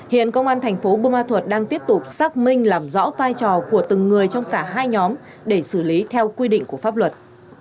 hiện công an thành phố bù ma thuật đang tiếp tục xác minh làm rõ vai trò của từng người trong cả hai nhóm để xử lý theo quy định của pháp luật